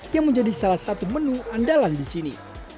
yang menjadi salah satu menu andalan di sini